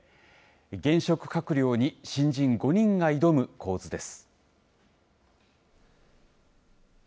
現職閣僚に新人５人が挑む構図です。